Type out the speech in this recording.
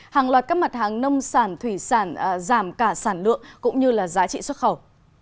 hàng loạt các mặt hàng nông sản thủy sản giảm cả sản lượng cũng như là giá trị xuất khẩu